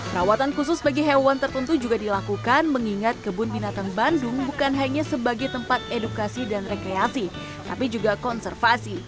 rawatan khusus bagi hewan tertentu juga dilakukan mengingat kebun binatang bandung bukan hanya sebagai tempat edukasi dan rekreasi tapi juga konservasi